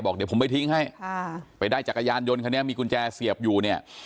บอกเดี๋ยวผมไปทิ้งให้ไปได้จักรยานยนต์มีกุญแจเสียบอยู่